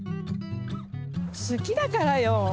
すきだからよ。